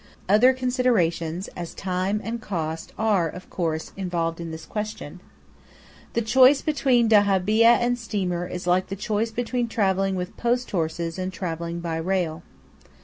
Other considerations, as time and cost, are, of course, involved in this question. The choice between dahabeeyah and steamer is like the choice between travelling with post horses and travelling by rail.